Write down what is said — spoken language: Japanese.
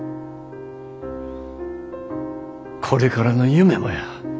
これからの夢もや。